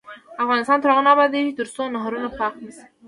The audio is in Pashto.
افغانستان تر هغو نه ابادیږي، ترڅو نهرونه پاخه نشي.